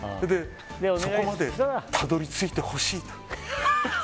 そこまでたどり着いてほしいと。